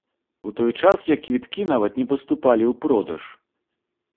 У той час, як квіткі нават не паступалі ў продаж.